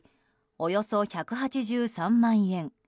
およそ１８３万円。